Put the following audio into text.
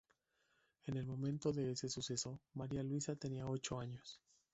En el momento de ese suceso Maria Luísa tenía ocho años.